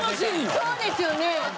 そうですよね。